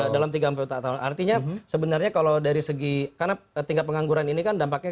dalam tiga empat tahun artinya sebenarnya kalau dari segi karena tingkat pengangguran ini kan dampaknya